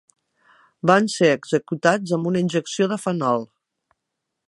Van ser executats amb una injecció de fenol.